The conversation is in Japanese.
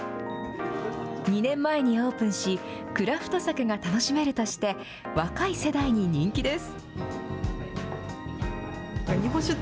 ２年前にオープンし、クラフトサケが楽しめるとして、若い世代に人気です。